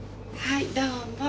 はいどうも。